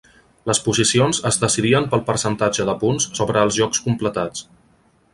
Les posicions es decidien pel percentatge de punts sobre els jocs completats.